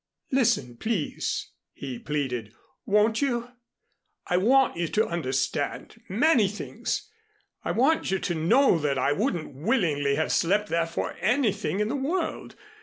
"Listen, please," he pleaded, "won't you? I want you to understand many things. I want you to know that I wouldn't willingly have slept there for anything in the world.